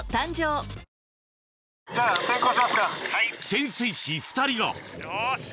潜水士２人がよし。